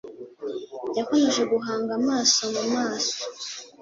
Yakomeje guhanga amaso mu maso.